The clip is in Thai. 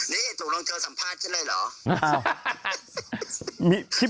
นี่ตกลงเธอสัมภาษณ์ฉันเลยเหรอ